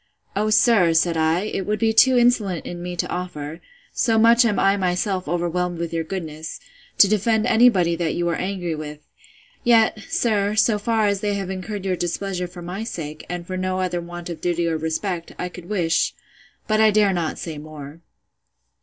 O sir, said I, it would be too insolent in me to offer (so much am I myself overwhelmed with your goodness,) to defend any body that you are angry with: Yet, sir, so far as they have incurred your displeasure for my sake, and for no other want of duty or respect, I could wish—But I dare not say more.